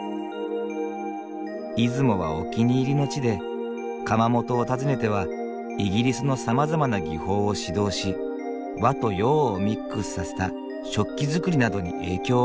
出雲はお気に入りの地で窯元を訪ねてはイギリスのさまざまな技法を指導し和と洋をミックスさせた食器作りなどに影響を与えた。